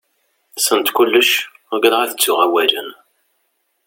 Send kullec, ugadaɣ ad ttuɣ awalen.